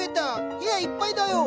部屋いっぱいだよ。